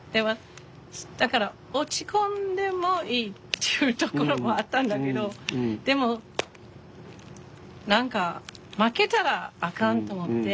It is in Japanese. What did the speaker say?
だから落ち込んでもいいっていうところもあったんだけどでも何か負けたらあかんと思って。